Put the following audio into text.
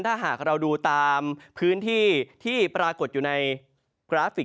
ถ้าหากเราดูตามพื้นที่ที่ปรากฏอยู่ในกราฟิก